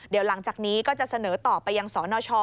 เดี๋ยวหลังจากนี้ก็จะเสนอต่อไปยังสนช